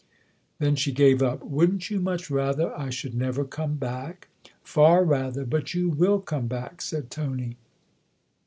Then she gave up. " Wouldn't you much rather I should never come back ?"" Far rather. But you will come back," said Tony.